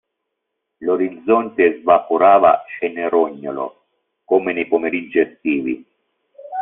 L'orizzonte svaporava cenerognolo come nei pomeriggi estivi.